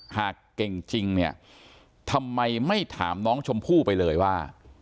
หากเก่งจริงเนี่ยทำไมไม่ถามน้องชมพู่ไปเลยว่า